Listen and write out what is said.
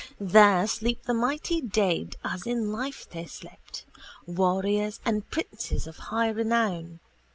There sleep the mighty dead as in life they slept, warriors and princes of high renown.